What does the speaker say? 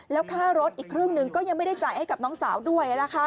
แล้วค่ารถอีกครึ่งหนึ่งก็ยังไม่ได้จ่ายให้กับน้องสาวด้วย